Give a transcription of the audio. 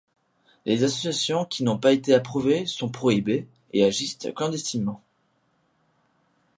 Les associations qui n'ont pas été approuvées sont prohibées et agissent clandestinement.